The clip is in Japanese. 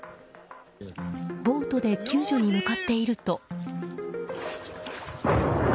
ボートで救助に向かっていると。